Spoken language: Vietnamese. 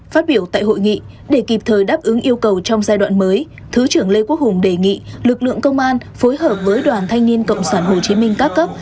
phát biểu tại hội nghị để kịp thời đáp ứng yêu cầu trong giai đoạn mới thứ trưởng lê quốc hùng đề nghị lực lượng công an phối hợp với đoàn thanh niên cộng sản hồ chí minh các cấp